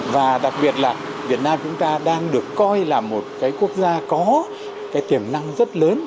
và đặc biệt là việt nam chúng ta đang được coi là một cái quốc gia có cái tiềm năng rất lớn